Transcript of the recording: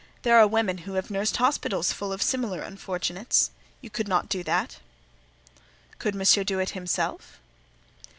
There are women who have nursed hospitals full of similar unfortunates. You could not do that?" "Could Monsieur do it himself?"